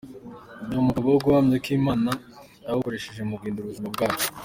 Ndi umugabo wo guhamya ko Imana yagukoresheje mu guhindura ubuzima bwacu.